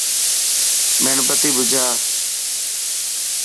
ميڻ بتي ٻجها.